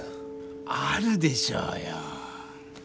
あるでしょうよ。